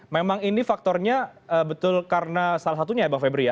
memang ini faktornya betul karena salah satunya ya bang febri ya